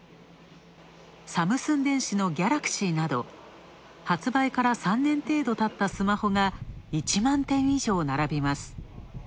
サムスン電子のＧａｌａｘｙなど発売から３年程度たったスマホが１万点以上並びます。